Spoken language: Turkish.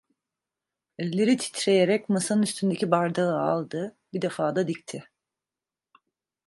Elleri titreyerek masanın üstündeki bardağı aldı, bir defada dikti.